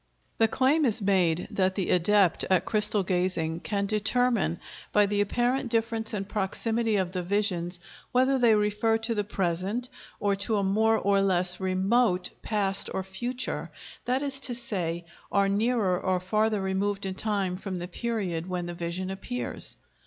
The claim is made that the adept at crystal gazing can determine by the apparent difference in proximity of the visions whether they refer to the present or to a more or less remote past or future, that is to say, are nearer or farther removed in time from the period when the vision appears.